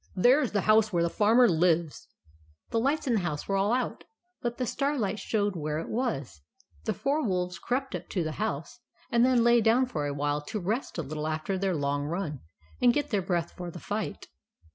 " There is the house where the Farmer lives." The lights in the house were all out ; but the starlight showed where it was. The four wolves crept up to the house, and then 11 150 THE ADVENTURES OF MABEL lay down for a while to rest a little after their long run, and to get their breath for the fight.